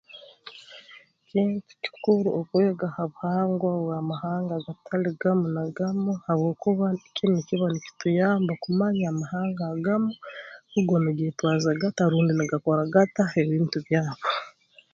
Kuntu kikuru okwega ha buhanga bw'amahanga agatali gamu na gamu habwokuba kinu nikiba nikituyamba kumanya amahanga agamu hugo nigeetwaza gata rundi nigakora gata ebintu byago